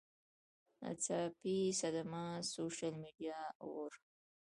ناڅاپي صدمه ، سوشل میډیا اوور